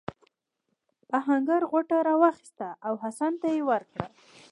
آهنګر غوټه راواخیسته او حسن ته یې ورکړه.